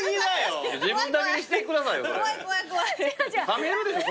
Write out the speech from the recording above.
冷めるでしょ